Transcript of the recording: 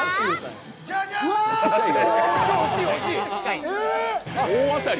じゃじゃーん。